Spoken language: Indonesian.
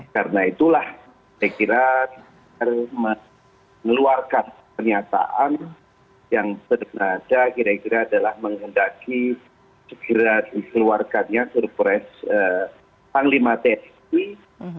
karena itulah saya kira mengeluarkan pernyataan yang terdekat ada kira kira adalah menghendaki sekiranya dikeluarkannya pilpres tahun dua ribu dua puluh empat